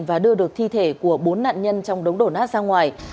và đưa được thi thể của bốn nạn nhân trong đống đổ nát ra ngoài